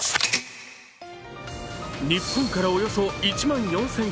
日本からおよそ１万４０００ｋｍ。